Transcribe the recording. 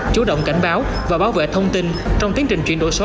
chủ động cảnh báo và bảo vệ thông tin trong tiến trình chuyển đổi số